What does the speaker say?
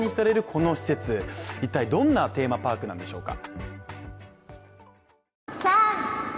この施設、一体どんなテーマパークなんでしょうか。